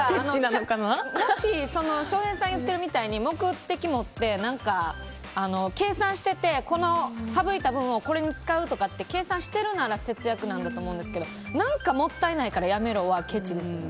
翔平さん言ってるみたいに目的持って計算しててこの省いた分をこれに使うとか計算してるなら節約なんだと思うんですけど何かもったいないからやめろはけちですね。